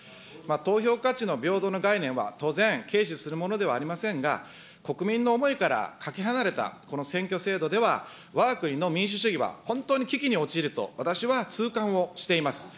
投票価値の平等の概念は当然、軽視するものではありませんが、国民の思いからかけ離れたこの選挙制度では、わが国の民主主義は、本当に危機に陥ると私は痛感をしています。